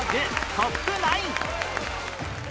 トップ９